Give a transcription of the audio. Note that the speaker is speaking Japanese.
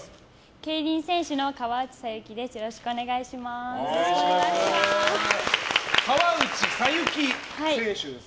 競輪選手の河内桜雪です。